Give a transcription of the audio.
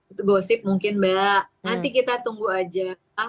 itu gosip mungkin mbak nanti kita tunggu aja